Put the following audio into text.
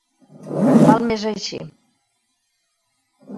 Val més així.